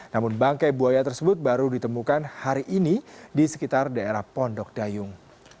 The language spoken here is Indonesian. namun bangkai buaya tersebut baru ditemukan hari ini di sekitar daerah pondok dayung